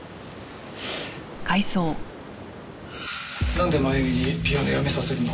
なんで真由美にピアノやめさせるの？